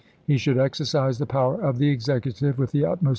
He should exer between^ cise the power of the Executive with the utmost voi.